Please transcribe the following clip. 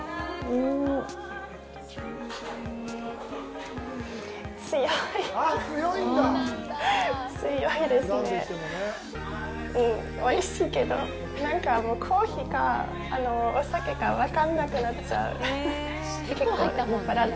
うん、おいしいけど、なんかもう、コーヒーか、お酒か、分からなくなっちゃう。